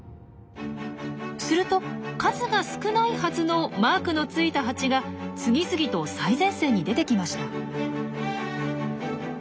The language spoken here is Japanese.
すると数が少ないはずのマークのついたハチが次々と最前線に出てきました。